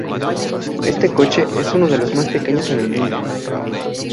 Este coche es uno de los más pequeños en el mundo.